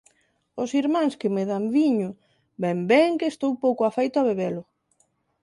Os irmáns que me dan viño ven ben que estou pouco afeito a bebelo.